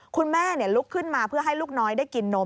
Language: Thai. คุณแม่ลุกขึ้นมาเพื่อให้ลูกน้อยได้กินนม